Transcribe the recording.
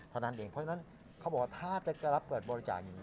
เพราะฉะนั้นเขาบอกว่าถ้าแตกระรับเปิดบริจาณ